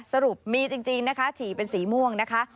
สรุปมีจริงนะคะฉี่เป็นสีม่วงนะคะ